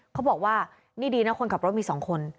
เขาบอกว่านี่ดีนะคนขับรถมี๒คน